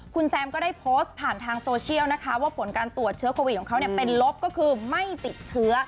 คุณแซมก็ได้โพสต์ผ่านทางโซเชียลนะคะว่าผลการตรวจเชื้อโควิดของเขาเป็นลบก็คือไม่ติดเชื้อ